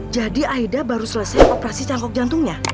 jadi aida baru selesai operasi cangkok jantungnya